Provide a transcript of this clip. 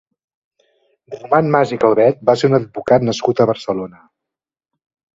Román Mas i Calvet va ser un advocat nascut a Barcelona.